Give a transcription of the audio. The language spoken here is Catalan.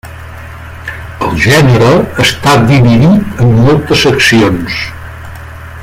El gènere està dividit en moltes seccions.